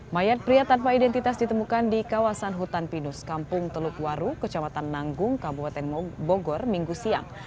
mayat pria tanpa identitas ditemukan di kawasan hutan pinus kampung telukwaru kecamatan nanggung kabupaten bogor minggu siang